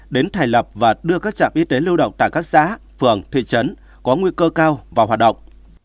đến thành lập và đưa các trạm y tế lưu động tại các xã phường thị trấn có nguy cơ cao vào hoạt động